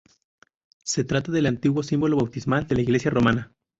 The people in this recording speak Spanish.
Se trata del antiguo símbolo bautismal de la Iglesia de Roma.